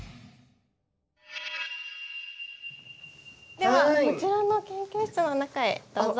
ではこちらの研究室の中へどうぞ。